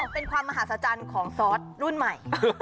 เป็นความมหาศจรรย์ของซอสรุ่นใหม่